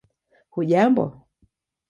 hujambo